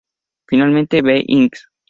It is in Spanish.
Finalmente, Be Inc.